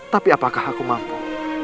tapi apakah aku mampu